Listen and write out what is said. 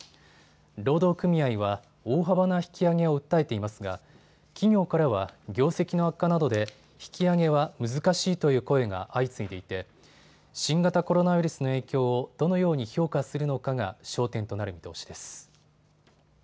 労働組合は大幅な引き上げを訴えていますが企業からは業績の悪化などで引き上げは難しいという声が相次いでいて新型コロナウイルスの影響をどのように評価するのかが焦点となる見通しです。